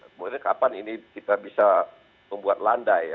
kemudian kapan ini kita bisa membuat landai ya